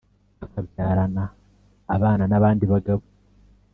akabyarana abana n’abandi bagabo.